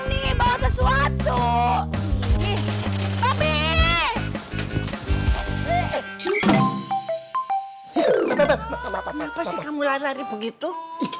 kenapa sih kamu lari lari begitu